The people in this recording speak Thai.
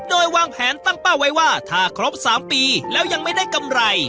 โดยวางแผนตั้งเป้าไว้ว่าถ้าครบ๓ปีแล้วยังไม่ได้กำไร